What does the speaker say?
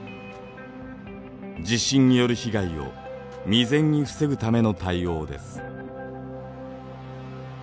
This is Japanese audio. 地震による被害を未然に防ぐための対応です。